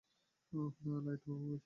ওহ, না, লাইট ও গেছে?